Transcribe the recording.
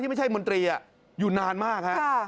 ที่ไม่ใช่มดรีอะอยู่นานมาก